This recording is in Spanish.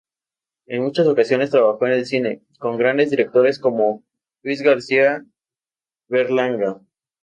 En muchas ocasiones trabajo en el cine, con grandes directores como Luis García Berlanga.